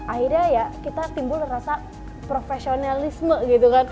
akhirnya ya kita timbul rasa profesionalisme gitu kan